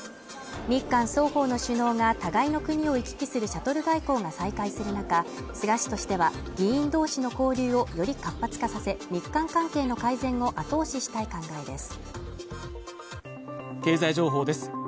日韓双方の首脳が互いの国を行き来するシャトル外交が再開する中、菅氏としては、議員同士の交流をより活発化させ、日韓関係の改善を後押ししたい考えです。